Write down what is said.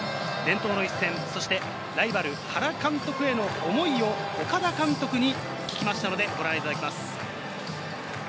伝統の一戦、ライバルの原監督への思いを岡田監督に聞きましたので、ご覧いただきます。